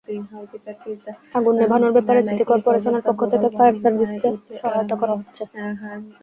আগুন নেভানোর ব্যাপারে সিটি করপোরেশনের পক্ষ থেকে ফায়ার সার্ভিসকে সহায়তা করা হচ্ছে।